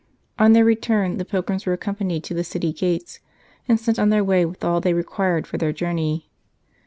..." On their return the pilgrims were accompanied to the city gates, and sent on their way with all they required for their journey.